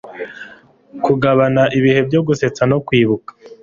kugabana ibihe byo gusetsa no kwibuka